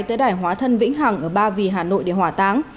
tới đài hóa thân vĩnh hằng ở ba vì hà nội để hỏa táng